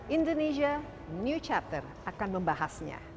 indonesia new chapter akan membahasnya